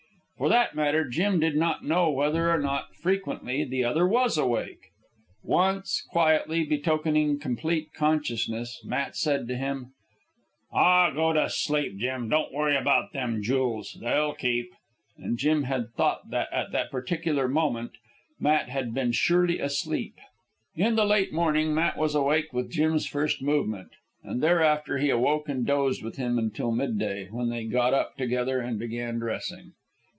For that matter, Jim did not know whether or not, frequently, the other was awake. Once, quietly, betokening complete consciousness, Matt said to him: "Aw, go to sleep, Jim. Don't worry about them jools. They'll keep." And Jim had thought that at that particular moment Matt had been surely asleep. In the late morning Matt was awake with Jim's first movement, and thereafter he awoke and dozed with him until midday, when they got up together and began dressing.